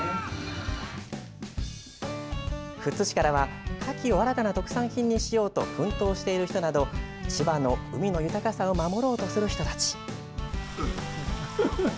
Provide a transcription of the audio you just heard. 富津市からはカキを新たな特産品にしようと奮闘している人など千葉の海の豊かさを守ろうとする人たち。